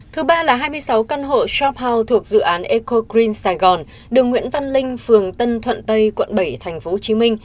thứ ba là hai mươi sáu căn hộ shop house thuộc dự án eco green sài gòn đường nguyễn văn linh phường tân thuận tây quận bảy tp hcm